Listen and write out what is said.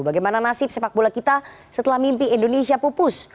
bagaimana nasib sepak bola kita setelah mimpi indonesia pupus